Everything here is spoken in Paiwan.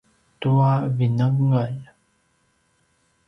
tua vinengel